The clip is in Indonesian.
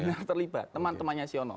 yang terlibat teman temannya siono